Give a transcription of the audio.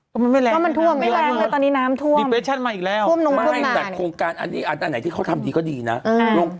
ก็มันไม่แร้งไม่แร้งเลยตอนนี้น้ำท่วมอีกแล้วไม่แต่โครงการอันนี้อันอันไหนที่เขาทำดีก็ดีนะอืม